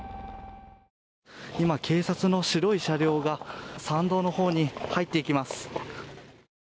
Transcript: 今、警察の白い車両が山道の方に入っていきます。